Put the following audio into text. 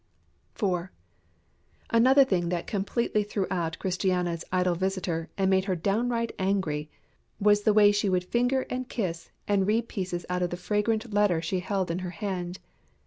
4. Another thing that completely threw out Christiana's idle visitor and made her downright angry was the way she would finger and kiss and read pieces out of the fragrant letter she held in her hand.